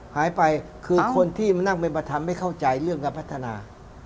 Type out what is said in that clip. หายไปคือคนที่มานั่งเป็นประทำให้เข้าใจเรื่องการพัฒนา